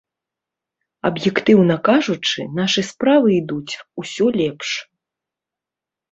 Аб'ектыўна кажучы, нашы справы ідуць усё лепш.